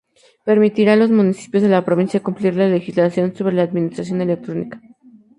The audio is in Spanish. Permitirá a los municipios de la provincia cumplir la legislación sobre administración electrónica.